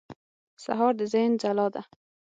سهار د ذهن ځلا ده.